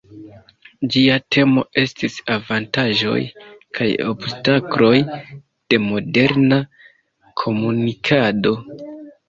Ĝia temo estis "Avantaĝoj kaj obstakloj de moderna komunikado".